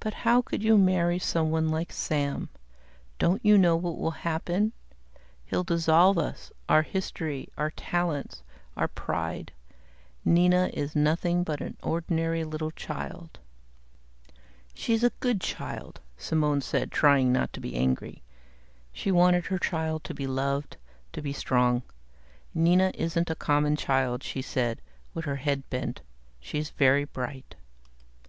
"But how could you marry someone like Sam? Don't you know what will happen? He'll dissolve us, our history, our talents, our pride. Nina is nothing but an ordinary little child." "She's a good child," Simone said, trying not to be angry. She wanted her child to be loved, to be strong. "Nina isn't a common child," she said, with her head bent. "She's very bright."